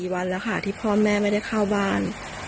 วันแล้วค่ะที่พ่อแม่ไม่ได้เข้าบ้าน